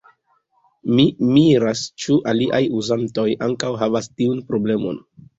Mi miras, ĉu aliaj Uzantoj ankaŭ havas tiun Problemon.